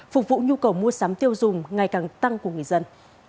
phục vụ nhu cầu mua sắm tiêu dùng ngày càng tăng của người dân